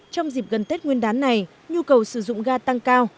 trong dịp gần tết nguyên đán này nhu cầu sử dụng ga tăng cao